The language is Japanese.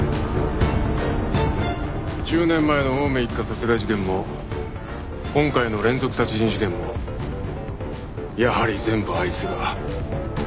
１０年前の青梅一家殺害事件も今回の連続殺人事件もやはり全部あいつが。